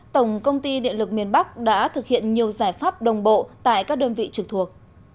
tổng công ty điện lực miền bắc đã thực hiện nhiều giải pháp đồng bộ tại các đơn vị trực thuộc